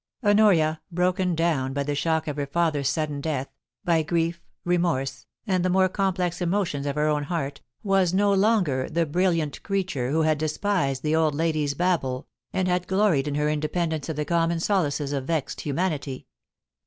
Honoria, broken down by the shock of her father's sudden death, by grief, remorse, and the more complex emotions of her own heart, was no longer the brilliant creature who had despised the old lady's babble, and had gloried in her mde p>endence of the common solaces of vexed humanity.